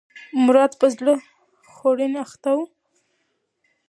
مراد په زړه خوړنې اخته و.